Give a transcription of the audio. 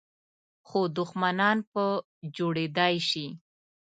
خو دښمنان په جوړېدای شي .